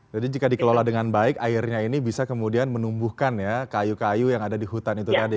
jadi jika dikelola dengan baik airnya ini bisa kemudian menumbuhkan ya kayu kayu yang ada di hutan itu tadi